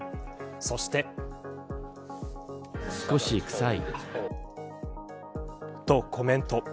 そして。と、コメント。